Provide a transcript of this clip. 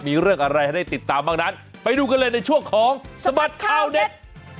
มีเรื่องอะไรให้ได้ติดตามบ้างนั้นไปดูกันเลยในช่วงของสบัดข่าวเด็ด